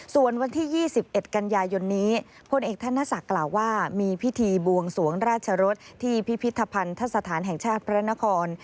ส่วนวันที่๒๑กันยายนนี้พลเอกธนศักดิ์กล่าวว่ามีพิธีบวงสวงราชรสที่พิพิธภัณฑสถานแห่งชาติพระนคร